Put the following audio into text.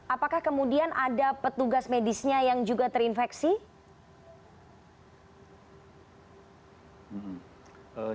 apakah kemudian ada petugas medisnya yang juga terinfeksi